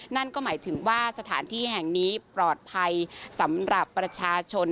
นั่นก็หมายถึงว่าสถานที่แห่งนี้ปลอดภัยสำหรับประชาชน